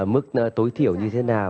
mức tối thiểu như thế nào